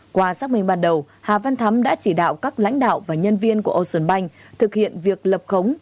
qua xác minh ban đầu hà văn thắm đã chỉ đạo các lãnh đạo và nhân viên của ocean bank thực hiện việc lập khống